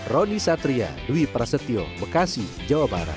roni satria dwi prasetyo bekasi jawa barat